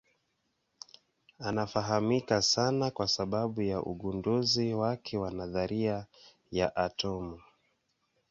Anafahamika sana kwa sababu ya ugunduzi wake wa nadharia ya atomu.